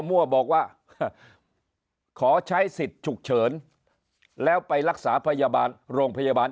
มั่วบอกว่าขอใช้สิทธิ์ฉุกเฉินแล้วไปรักษาพยาบาลโรงพยาบาล